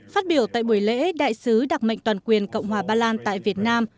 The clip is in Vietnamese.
phát biểu tại buổi lễ đại sứ đặc mệnh toàn quyền cộng hòa ba lan tại việt nam